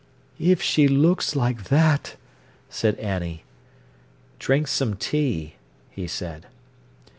"If she looks like that!" said Annie. "Drink some tea," he said.